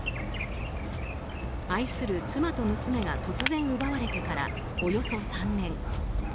愛する妻と娘が突然奪われてからおよそ３年。